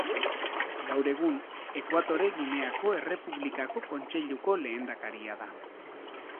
Gaur egun, Ekuatore Gineako Errepublikako Kontseiluko lehendakaria da.